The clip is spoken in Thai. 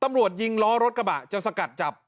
ตำรวจยิงล้อรถกระบะจะสกัดจับ